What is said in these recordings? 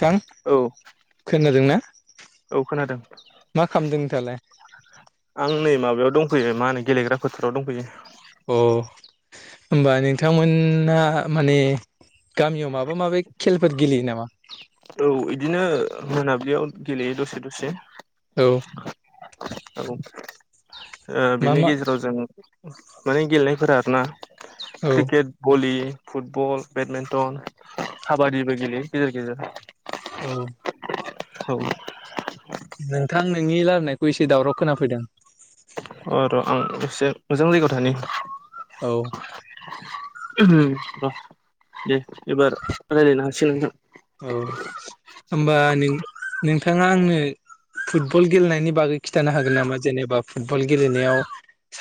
थां औ खोनादोंना औ खोनादों [inaudible] मा खामदों नोंथाङालाय आं नै माबायाव दंफैयो मा होनो गेलेग्रा फोथाराव दंफैयो अह होमबा नोंथांमोना माने गामियाव माबा माबि खेलफोर गेलेयो नामा औ बिदिनो मोनाबिलियाव गेलेयो दसे दसे औ [unintelligible] ओ मा बिनि मा गेजेराव जों माने गेलेनायफोरा आरोना औ क्रिकेट भलि फुटबल बेडमेन्टन खाबादिबो गेलेयो गेजेर गेजेर औ औ नोंथां नोंनि लारायनायखौ एसे दावराव खोनाफैदों औ र' आं एसे मोजां जायगायाव थानि औ ओम ओ दे एबार रायलायनो हासिगोन नोंथां। औ होमबा नों नोंथाङा आंनो फुटबल गेलेनायनि बागै खिन्थानो हागोन नामा जेनेबा फुटबल गेलेनायाव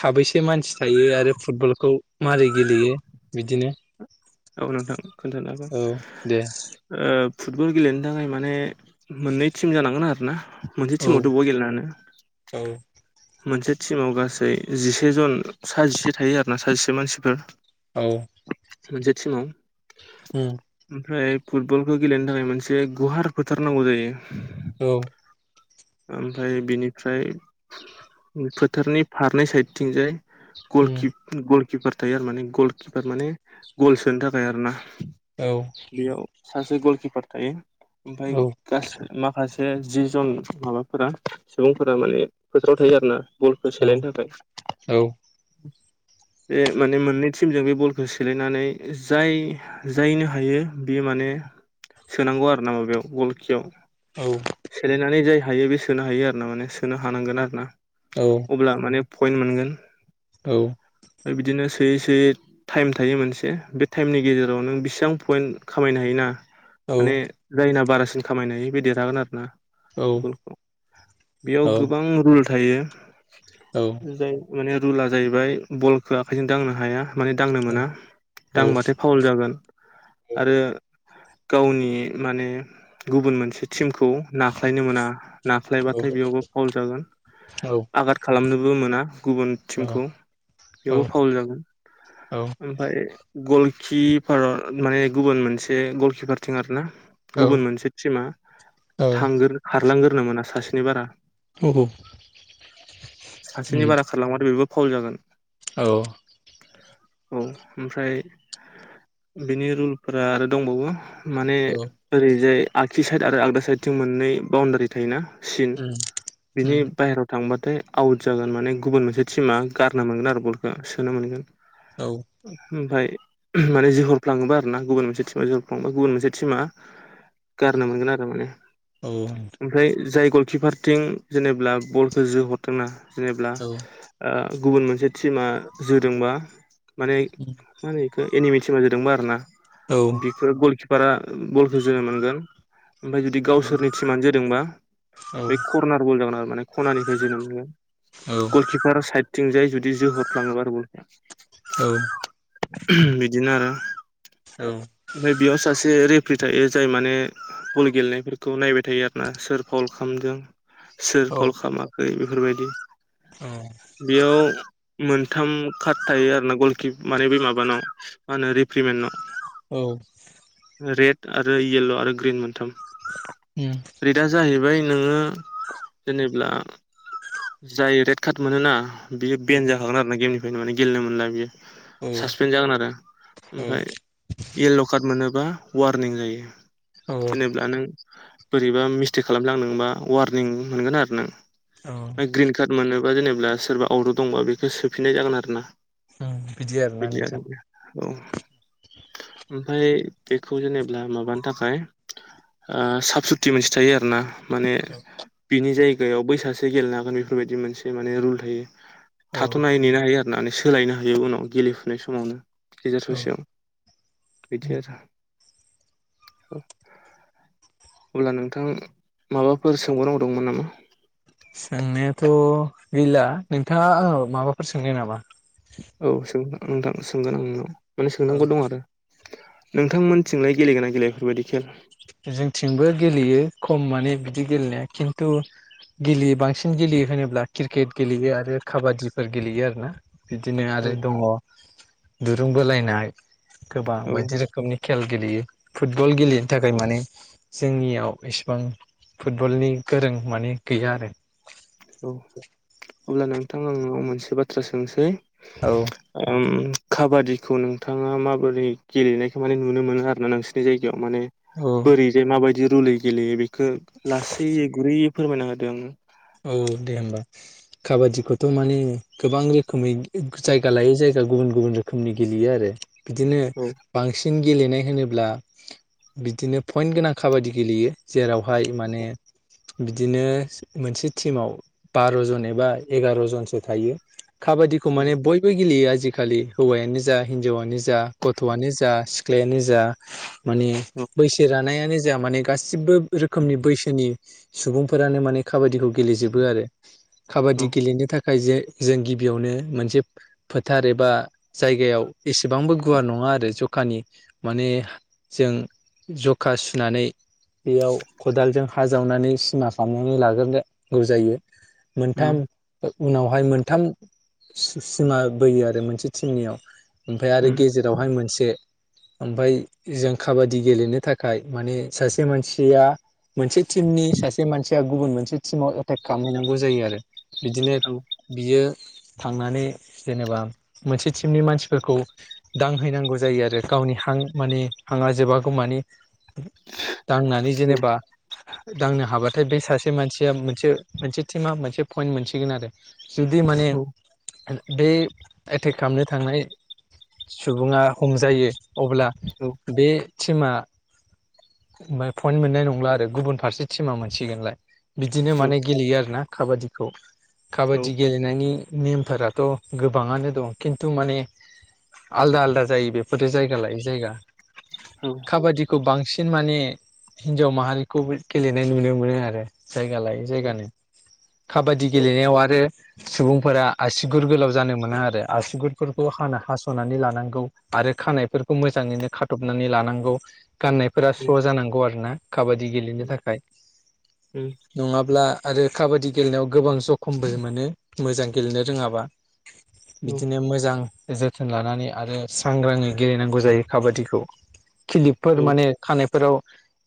साबैसे मानसि था यो आरो फुटबलखौ मारै गेलेयो बिदिनो औ नोंथां खोन्थानो हागोन औ दे ओ फुटबल गेलेनो थाखाय माने मोननै टिम जानांगोन आरो ना। मोनसे औ टिमावथ अबाव गेलेनो हानो औ मोनसे टिमाव गासै जिसे जन सा जिसे थायो आरो ना साजिसे मानसिफोर। औ मोनसे टिमाव होम ओमफ्राय फुटबलखौ गेलेनो थाखाय मोनसे गुवार फोथार नांगौ जायो। औ ओमफ्राय बिनिफ्राय [inaudible] फोथारनि फारनै साइदथिंजाय उम गलकि गल किपार थायो आरो माने गल किपार माने गल सोनो थाखाय आरो ना। औ सासे गलकिपार थायो ओमफ्राय औ गासै माखासे ओ जि जन माबाफोरा सुबुंफोरा माने फोथाराव थायो आरो ना। बलखौ सेलायनो थाखाय औ बे माने मोननै टिमजों बे बलखौ सेलायनानै जाय जायनो हायो बे माने सोनांगौ आरो ना माबायाव गलखियाव। औ सेलायनानै जाय हायो बे सोनो हायो आरो ना माने सोनो अब्ला माने पइन्ट मोनगोन औ ओमफ्राय बिदिनो सोयै सोयै टाइम थायो मोनसे बे टाइमनि गेजेराव नों बेसां पइन्ट खामायनो हायोना औ माने जायना बारासि खामायनो हायो बे देरहागोन आरोना फुटबल खौ बेयाव गोबां रुल- थायो जाय माने रुला जाहैबाय बलखो आखाइजों दांनो हाया। माने दांनो मोना औ दांबाथाय फावल जागोन। आरो गावनि माने गुबुन मोनसे टिम खौ नाख्लायनो मोना नाख्लायबाथाय बेयावबो फावल जागोन। औ आघाद खालामनोबो मोना गुबुन औ टिमखौ ट। सबेयावबो फाउल जागोन। ओमफाय गलकिपारा माने गुबुन मोनसे गल खिफारथिं आरोना। गुबुन मोनसे टिमा थांगोर‌ खारलांगोरनो मोना सासेनि बारा। बिदि सासेनि बारा खारलांबाथाइ बेबो फावल जागोन। औ। औ। ओमफ्राय बिनि रुलफोरा आरो दंबावो। माने ओरैजाय आगसि साइड आरो आगदा साइडथिं मोननै बाउणडारि थायोना। सिन बिनि बाहेराव थाङोबा थाय आउट जागोन माने गुबुन मोनसे टिमा गारनो मोनगोन आरो बलखो सोनो मोनगोन। औ उम ओमफाय माने जोहरफ्लाङोबा आरोना, गुबुन मोनसे थिमा जोहरफ्लाङोबा, गुबुन मोनसे थिमा गारनो मोनगोन आरो माने। ओमफ्राय जाय गलकिपारथिं जेनेब्ला बलखौ जोहरदोंना। जेनेब्ला ओ गुबुन मोनसे थिमा जोदोंबा माने मा होनो बेखौ एनिमि थिमा जोदोंबा आरोना उम औ बेफोर गलकिपारा गलखो जोनो मोनगोन। ओमफाय जुदि गावसोरनि औ टिमानो जोदोंबा औ उम औ बे करनार बल जागोन आरो माने खनानिफ्राय जोनो मोनगोन। औ गलकिफार साइद थिंजाय जुदि जोहरफ्लांङोबा आरो बलखौ। औ। बिदिनो आरो औ ओमफ्राय बेयाव सासे रे प्रि थायो। जाय माने बल गेलेनायफोरखौ नायबाय थायो आरो ना सोर फाउल खामदों। सोर फाउल औ खामाखै बेफोरबायदि। बेयाव मोनथाम काड थायो आरोना गलकि माने बे माबानाव मा होनो रिफ्रिमेननाव। औ। रेद आरो येल्ल' आरो ग्रिन मोनथाम ट। रेदा जाहैबाय नोङो जेनेब्ला जाय रेड काड मोनोना बियो बेन्ड जाखागोन आरो ना गेमनिफ्रायनो माने गेलेनो मोनला बियो। सासपेन्ड जागोन आरो ओमफ्राय येल्ल' कार्ड मोनोबा वारनिं जायो। औ जेनेब्ला नों बोरैबा मिसटेक खालामफ्लांदोंबा वारनिं मोनगोन आरो नों। औ औ ओमफ्राय ग्रिन काड मोनोबा जेनेब्ला सोरबा आउटआव दंबा बेखौ सोफिननाय जागोन आरोना। [inaudible] बिदि नोंथां आरोना। औ ओमफाय बेखौ जेनेब्ला माबानो थाखाय ओ साफ सुति मोनसे थायो आरोना। माने औ बिनि जायगायाव बै सासे गेलेनो हागोन बेफोरबायदि मोनसे माने रुल थायो। औ थाथ'नो हायो, नेनो हायो आरोना, सोलायनो हायो उनाव गेलेफुनाय समावनो। गेजेर औ ससेयाव बिदि आरो । अब्ला नोंथां माबाफोर सोंबावनांगौ दंमोन नामा? सोंनायाथ' गैला नोंथाङा आंनाव माबाफोर सोंनो नामा? ओं नोंथां सोंगोन आं नोंनाव। माने औ सोंनांगौ दं आरो। नोंथांमोनथिंलाय गेलेगोना गेलेया बेफोरबायदि? खेल जोंथिंबो गेलेयो, खम माने बिदि गेलेनाया। खिन्थु गेलेयो बांसिन गेलेयो होनोब्ला क्रिकेट गेलेयो आरो काबादिफोर गेलेयो आरोना। बिदिनो औ आरो दङ दुरुं बोलायनाय गोबां औ बायदि रोखोमनि खेल गेलेयो। फुटबल गेलेनो थाखाय माने जोंनियाव इसिबां फुटबलनि गोरों माने गैया आरो। औ अब्ला नोंथां आं नोंनाव मोनसे बाथ्रा सोंनोसै। औ ओम खाबादिखौ नोंथाङा माबोरै गेलेनायखो माने नुनो मोनो आरोना नोंसोरनि जाय याव माने औ बोरैजाय माबादि रुलै गेलेयो बेखो लासै गुरैयै फोरमायना होदो आंनो। औ दे होमबा। काबादिखौथ' माने गोबां रोखोमै जायगा लायै जाय गा गुबुन गुबुन रोखोमनि गेलेयो आरो बिदिनो औ बांसिन गेलेनाय होनोब्ला बिदिनो पइन्ट गोनां काबादि गेलेयो। जेरावहाय माने बिदिनो मोनसे टिमाव बार'जन एबा एगार'जनसो थायो। काबादिखौ माने बयबो गेलेयो आजिखालि हौवायानो जा हिनजावानो जा गथ'आनो जा सिख्लायानो जा माने औ बैसो रा नायानो जा माने गासिबो रोखोमनि बैसोनि सुबुंफोरानो माने काबादिखौ गेलेजोबो आरो औ काबादि गेलेनो था खाय जों गिबियावनो मोनसे फोथार एबा जायगायाव एसेबांबो गुवारा नङा मा आरो जखानि माने जों जखा सुनानै बेयाव खदालजों हा जावनानै सिमा खालामनानै ला ग्रोनो नांगौ जायो उम मोनथाम ओ ओ उनावहाय मोनथाम सि-सिमा बोयो आरो मोनसे टिमनियाव। ओमफ्राय आरो उम गेजेरावहाय मोनसे ओमफाय जों काबादि गेलेनो थाखाय माने सासे मानसिया मोनसे टिमनि सासे मानसिया गुबुन मोनसे टिमाव एटेक खालामहैनांगौ जायो आरो बिदिनो औ बियो थांनानै जेनेबा मोनसे टिमनि मानसिफोरखौ दांहैनांगौ जायो आरो गावनि हां माने हांङा जोबागौमानि दांनानै जेनेबा दांनो हाबाथाय बे सासे मानसि या मोनसो मोनसे टिमा मोनसे पयेन्ट मोनसिगोन आरो जुदि माने औ बे एटेक खामनो थांनाय सुबुंङा हमजायो अब्ला औ बे टिमा ओमफाय पइन्ट मोननाय नंला आरो गुबुन फारसे टिमा मोनसिगोनलाय। बिदिनो औ माने गेलेयो आरोना काबादिखौ काबादि उम गेलेनायनि नेमफोराथ' गोबाङानो दं खिन्थु माने आलदा आलदा जायो बेफोर जायगा लायै जायगा काबादिखौ बांसि न माने हिन्जाव माहारिखौबो गेलेनाय नुनो मोनो आरो जायगा लायै जायगानो खाबादि गेलेनायाव आरो सुबुंफोरा आससिगुर गोलाव जानो मोना आरो आसिगुरफोरखौ हाना हास'नानै लानांगौ आरो खानायफोरखौ मोजाङैनो खाथबनानै लानांगौ। गाननायफोरा स्र' जानांगौ आरोना काबादि गेलेनो थाखाय नंङाब्ला आरो काबादि गेलेनायाव गोबां जखमबो मोनो मोजां गेलेनो रोङाबा। औ बिदिनो मोजां जोथोन लानानै आरो सांग्राङै गेलेनांगौ जायो काबादिखौ। खिलिपफोर औ माने खानायफोराव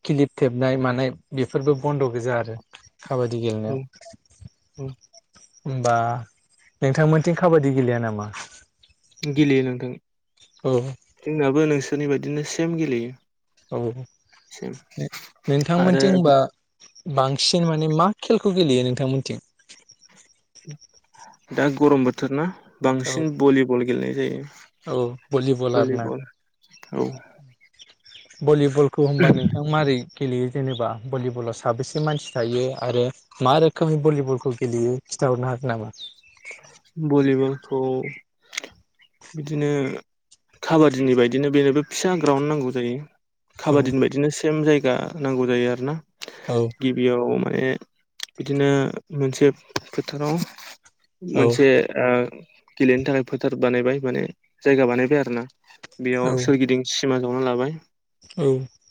खिलिप थेबनाय मानाय बेफोरबो बन्द' गोजा आरो। खाबादि औ गेलेनायाव औ होमबा नोंथांमोनथिं काबा दि गेलेया नामा? गेलेयो नोंथां औ जोंनाबो नोंसोरनि बादिनो सेम गेलेयो। औ सेम ने नोंथांमोनथि आरो होमबा बांसिन माने मा खेलखौ गेलेयो नोंथांमोनथिं? दा गरम बोथोर ना? औ बांसिन बलिबल गेलेनाय जायो औ भलिबल बलिबल औ। बलिबलखौ होनबा नोंथां मारै गेलेयो जेनेबा बलिबलाव साबेसे मानसि थायो आरो मा रोखोमै बलिबलखौ गेलेयो? खिथा हरनो हागोन नामा? बलिबलखौ बिदिनो काबादिनि बायदिनो बेनोबो फिसा ग्राउन्ड नांगौ जायो। औ खाबादिनि बायदिनो सेम जायगा नांगौ जायो आरोना औ गिबियाव माने बिदिनो मोनसे फोथाराव औ मोनसे ओ गेलेनो थाखाय फोथार बानायबाय माने जायगा बानायबाय आरोना। बेयाव औ सोरगिदिं सिमा जावना लाबाय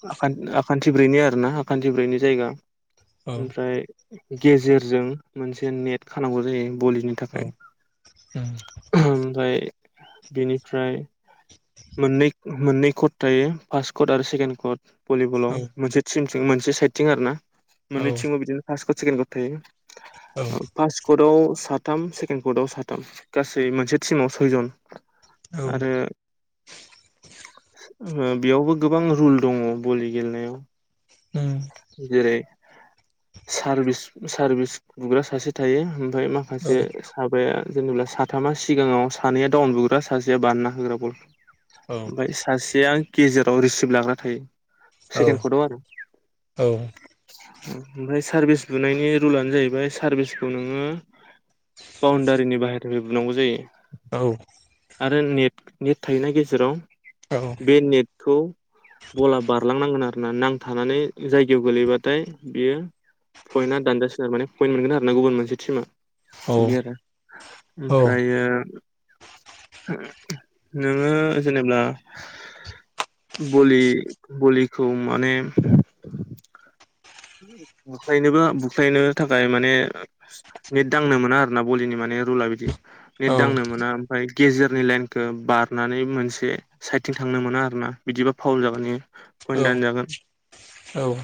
[unintelligible] आाखान्थिब्रैनि आरोना हाखान्थिब्रैनि जायगा औ उम औ ओमफ्राय गेजेरजों मोनसे नेट खानांगौ जायो बलि [unintelligible] ओमफ्राय बेनिफ्राय मोननै-मोननै कट थायो फार्स्ट कट आरो सेकेण्ड कट बलिबलाव मोनसे टिमथिं मोनसे साइडथिं आरोना औ मोननै टिमाव बिदिनो फार्स्ट कट सेकेन्ड कट थायो पास कटआव सात थाम सेकेण्ड कटआव साथाम गासै मोनसे टिमाव सयजन आरो औ ओ बेयावबो गोबां रुल दङ बलि गेलेनायाव उम जेरै सारभिस सार्भिस बुग्रा सासे थायो ओमफ्राय औ माखासे साबाया जेनेबा साथामा सिगाङाव सानैया डाउन बुग्रा सासेया बानना होग्रा बल औ ओमफ्राय सासेयां गेजेराव रिसिभ लाग्रा थायो औ सेकेण्ड कर्टआव आरो औ ओमफ्राय सार्भिस बुनायनि रुलानो जाहैबाय सारभिसखौ नोङो बाउणडारिनि बाहेरफ्राय बुनांगौ जायो औ । आरो नेट नेट थाहैनि गेजेराव । बे नेटखौ बला बारलांनांगोन आरो ना नांथानानै जायगायाव गोलैबाथाय बियो पयन्टआ दानजासिनो आरो माने पयन्ट मोनगोन आरो ना गुबुन मोनसे टिमा बिदि आरो ओमफ्रायो नोङो जेनेबा । भलि भलिखौ माने बुख्लायनोबो बुख्लायनो थाखाय माने नेट दांनो मोना आरोना भलिनि माने रुला बिदि नेट दांनो मोना ओमफ्राय । गेजेरनि लाइनखौ बारनानै मोनसे साइडथिं थांनो मोना आरोना बिदिबा फावल जागोन । पइन्ट दानजागोन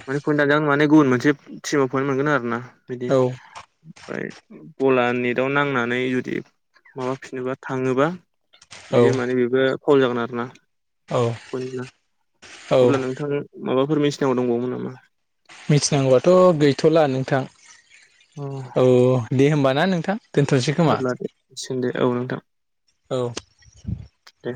माने पइनत दानजागोन माने गुबुन मोनसे टिमाव पइन्ट मोनगोन आरो ना? बिदि ओमफ्राय गला नेटआव नांनानै जुदि माबाफिनोबा थाङोबा । बियो माने बेबो फावल जागोन आरोना औ औ अब्ला नोंथां माबाफोरनि मिथिनांगौ दंबावोमोन नामा? मिथिनांगौबाथ' गैथ'ला नोंथां अ औ दे होमबाना नोंथां । दोनथ'नोसै खोमा अब्ला दे जासिगोन दे औ नोंथां औ । दे